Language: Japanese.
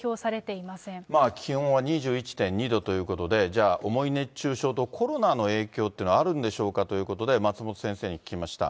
気温は２１．２度ということで、じゃあ重い熱中症とコロナの影響というのはあるんでしょうかということで、松本先生に聞きました。